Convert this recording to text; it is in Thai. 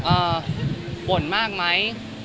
อ่าโบนมากมั้ย